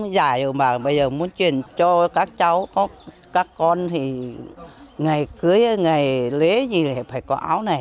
bây giờ muốn truyền cho các cháu các con thì ngày cưới ngày lễ gì thì phải có